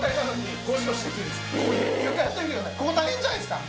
ここ大変じゃないですか？